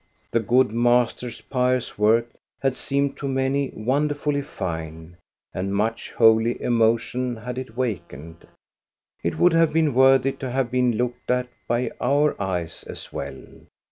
The good master's pious work had seemed to many wonder fully fine, and much holy emotion had it wakened. It would have been worthy to have been looked at by our eyes as well.